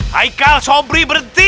haikal sabri berhenti